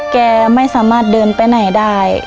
แกไม่สามารถเดินไปไหนได้